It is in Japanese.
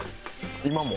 今も？